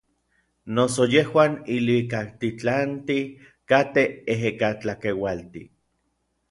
Noso yejuan iluikaktitlantij katej ejekatlakeualtij.